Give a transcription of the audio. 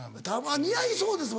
似合いそうですもん